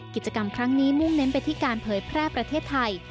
กิจกรรมครั้งนี้มุ่งเน้นไปที่การเผยแพร่ประเทศไทย